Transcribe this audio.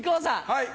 はい。